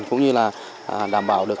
cũng như là đảm bảo được